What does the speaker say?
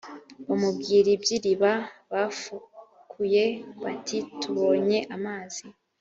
bamubwira iby iriba bafukuye bati tubonye amazi